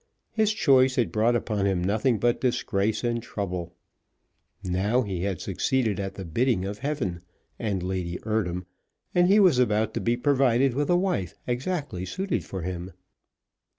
His choice had brought upon him nothing but disgrace and trouble. Now he had succumbed at the bidding of heaven and Lady Eardham, and he was about to be provided with a wife exactly suited for him.